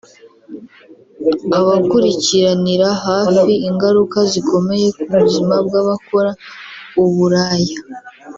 Abakurikiranira hafi ingaruka zikomeye ku buzima bw’abakora uburaya